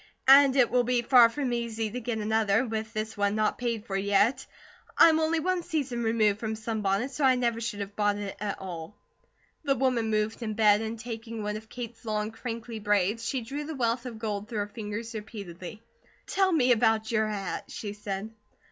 "And it will be far from easy to get another, with this one not paid for yet. I'm only one season removed from sunbonnets, so I never should have bought it at all." The woman moved in bed, and taking one of Kate's long, crinkly braids, she drew the wealth of gold through her fingers repeatedly. "Tell me about your hat," she said.